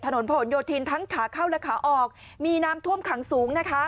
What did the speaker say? ถนนผลโยธินทั้งขาเข้าและขาออกมีน้ำท่วมขังสูงนะคะ